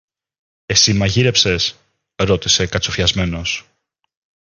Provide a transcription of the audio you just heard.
Εσύ μαγείρεψες; ρώτησε κατσουφιασμένος.